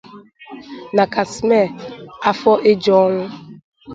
na Casmir Afoejuonwu